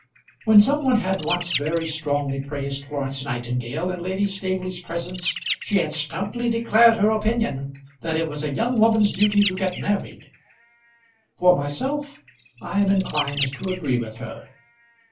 When some one had once very strongly praised Florence Nightingale in Lady Staveley's presence, she had stoutly declared her opinion that it was a young woman's duty to get married. For myself, I am inclined to agree with her.